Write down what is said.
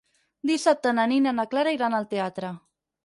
Dissabte na Nina i na Clara iran al teatre.